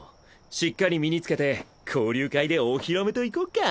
しっかり身に付けて交流会でお披露目といこっか。